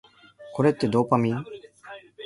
これってドーパミン？